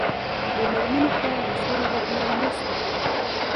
د میرمنو کار د سولې لپاره مرسته کوي.